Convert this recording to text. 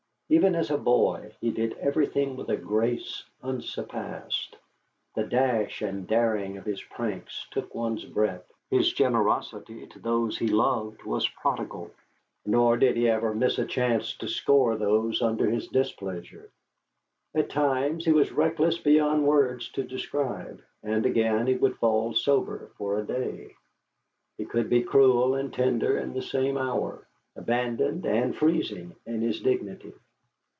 Even as a boy, he did everything with a grace unsurpassed; the dash and daring of his pranks took one's breath; his generosity to those he loved was prodigal. Nor did he ever miss a chance to score those under his displeasure. At times he was reckless beyond words to describe, and again he would fall sober for a day. He could be cruel and tender in the same hour; abandoned and freezing in his dignity.